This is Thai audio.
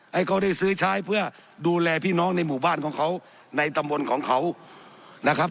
ให้เขาได้ซื้อใช้เพื่อดูแลพี่น้องในหมู่บ้านของเขาในตำบลของเขานะครับ